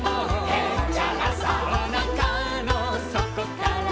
「へっちゃらさ」「おなかの底から」